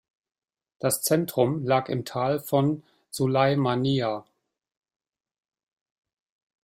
Das Zentrum lag im Tal von Sulaimaniyya.